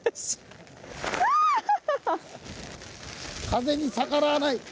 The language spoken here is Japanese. ⁉風に逆らわない！